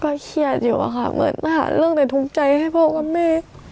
เครียดอยู่อะค่ะเหมือนหาเรื่องในทุกข์ใจให้พ่อกับแม่